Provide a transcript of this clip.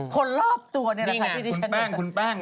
คนรอบตัวเนี่ยแหละค่ะ